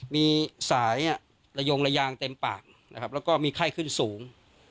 มีสายระยงระยางเต็มปากนะครับแล้วก็มีไข้ขึ้นสูง